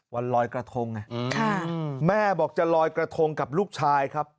วันลอยกระทงไงแม่บอกจะลอยกระทงกับลูกชายครับ